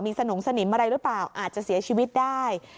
สนงสนิมอะไรหรือเปล่าอาจจะเสียชีวิตได้